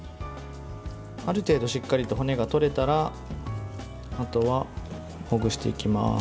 ある程度しっかりと骨が取れたらあとはほぐしていきます。